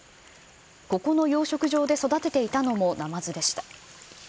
ここの養殖場で育てていたのもナマズでした。